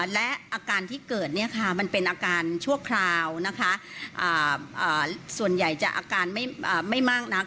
และอาการที่เกิดมันเป็นอาการชั่วคราวนะคะส่วนใหญ่จะอาการไม่มากนัก